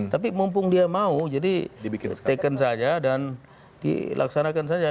tapi mumpung dia mau jadi taken saja dan dilaksanakan saja